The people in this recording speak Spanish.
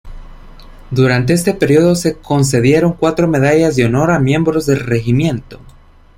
Durante este período se concedieron cuatro Medallas de Honor a miembros del regimiento.